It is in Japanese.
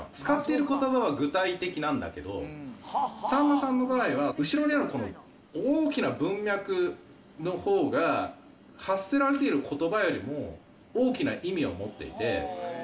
使っていることばは具体的なんだけど、さんまさんの場合は、後ろにある大きな文脈のほうが、発せられていることばよりも大きな意味を持っていて。